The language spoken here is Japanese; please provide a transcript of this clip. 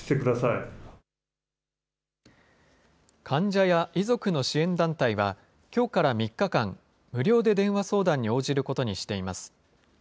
患者や遺族の支援団体は、きょうから３日間、無料で電話相談に応じることにしています。